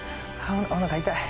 おなか痛い。